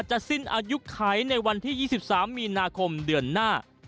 จะสิ้นอายุไขในวันที่๒๓มีนาคมเดือนหน้า